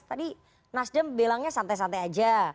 tadi nasdem bilangnya santai santai aja